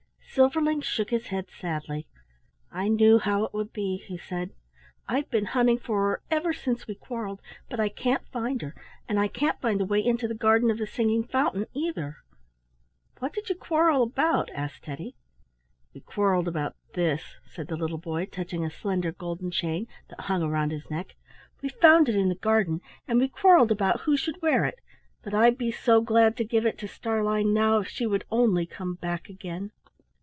Silverling shook his head sadly. "I know how it would be," he said. "I've been hunting for her ever since we quarrelled, but I can't find her, and I can't find the way into the garden of the singing fountain either." "What did you quarrel about?" asked Teddy. "We quarrelled about this," said the little boy, touching a slender golden chain that hung around his neck. "We found it in the garden and we quarrelled about who should wear it, but I'd be so glad to give it to Starlein now if she would only come back again."